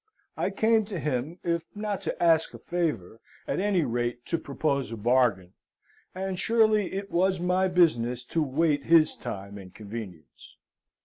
I came to him, if not to ask a favour, at any rate to propose a bargain, and surely it was my business to wait his time and convenience.